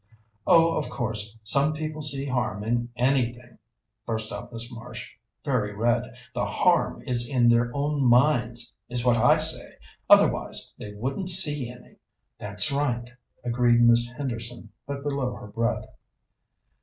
"Oh, of course, some people see harm in anything," burst out Miss Marsh, very red. "The harm is in their own minds, is what I say, otherwise they wouldn't see any." "That's right," agreed Miss Henderson, but below her breath.